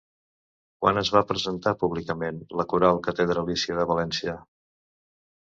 Quan es va presentar públicament la Coral Catedralícia de València?